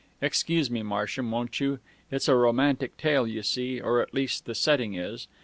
(Excuse me, Marsham, won't you? It's a romantic tale, you see, or at least the setting is.)